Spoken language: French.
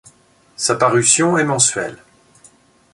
Sa parution est mensuelle.